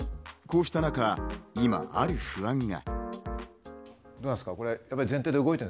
こうした中、今ある不安が。